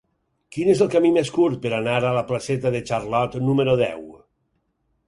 Quin és el camí més curt per anar a la placeta de Charlot número deu?